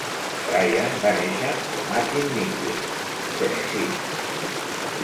Bryan va néixer a McMinnville, Tennessee.